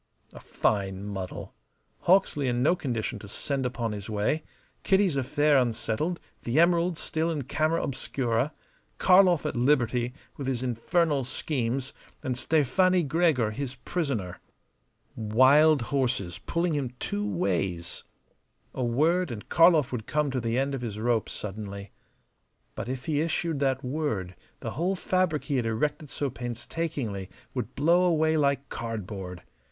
A fine muddle! Hawksley in no condition to send upon his way; Kitty's affair unsettled; the emeralds still in camera obscura; Karlov at liberty with his infernal schemes, and Stefani Gregor his prisoner. Wild horses, pulling him two ways. A word, and Karlov would come to the end of his rope suddenly. But if he issued that word the whole fabric he had erected so painstakingly would blow away like cardboard.